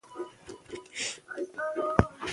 تاریخ د خپل ولس د همت لامل دی.